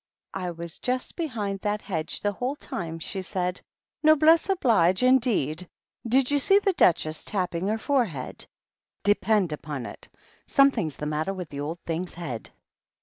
" I was just behind that hedge the whole time," she said. " Noblesse oblige, indeed ! Did you see the Duchess tapping her forehead ? De pend upon it, something's the matter with the old thing's head."